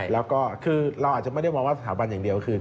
แล้วก็คือเราอาจจะไม่ได้มองว่าสถาบันอย่างเดียวคือ